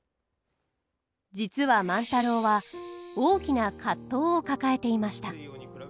実は万太郎は大きな葛藤を抱えていました。